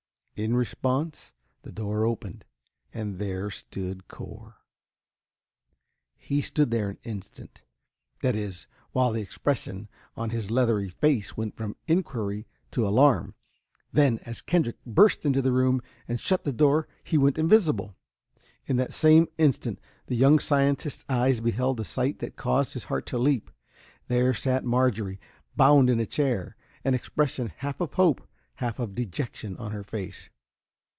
In response, the door opened and there stood Cor. He stood there an instant, that is, while the expression on his leathery face went from inquiry to alarm. Then, as Kendrick burst into the room and shut the door, he went invisible. In that same instant, the young scientist's eyes beheld a sight that caused his heart to leap. There sat Marjorie, bound in a chair, an expression half of hope, half of dejection, on her face.